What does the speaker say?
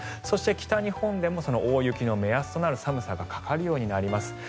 そして、北日本でも大雪の目安となる寒さがかかるようになります。